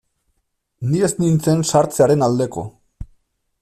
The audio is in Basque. Ni ez nintzen sartzearen aldeko.